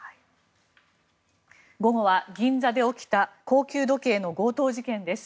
午後は、銀座で起きた高級時計の強盗事件です。